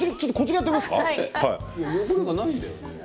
汚れがないんだよね。